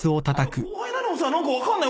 後輩なのにさ何か分かんない。